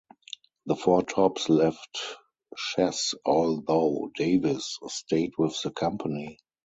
The Four Tops left Chess although Davis stayed with the company.